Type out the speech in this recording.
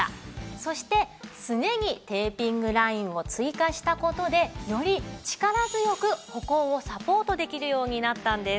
そしてすねにテーピングラインを追加した事でより力強く歩行をサポートできるようになったんです。